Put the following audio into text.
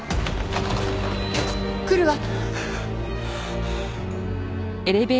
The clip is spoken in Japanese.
来るわ。